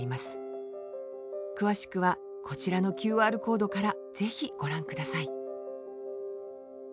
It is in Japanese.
詳しくはこちらのＱＲコードから是非ご覧ください